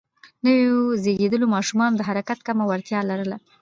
نوو زېږیدليو ماشومان د حرکت کمه وړتیا لرله.